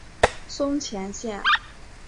松前线。